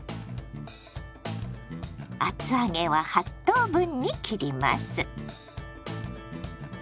厚揚げは８等分に切ります。